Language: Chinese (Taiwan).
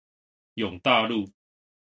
永大路